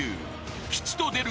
［吉と出るか？